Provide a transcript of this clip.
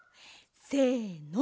せの！